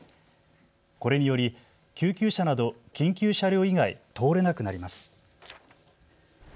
これにより救急車など緊急車両以外、通れなくなります。